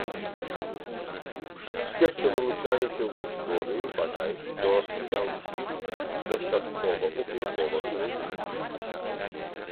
Секты вылучаліся ў гісторыі бадай што са ўсіх дастаткова ўплывовых рэлігій.